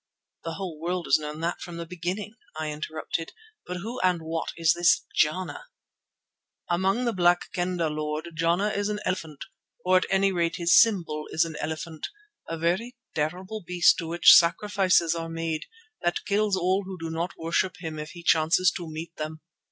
"The whole world has known that from the beginning," I interrupted. "But who and what is this Jana?" "Among the Black Kendah, Lord, Jana is an elephant, or at any rate his symbol is an elephant, a very terrible beast to which sacrifices are made, that kills all who do not worship him if he chances to meet them.